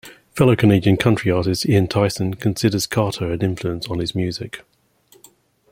Fellow Canadian country artist Ian Tyson considers Carter an influence on his music.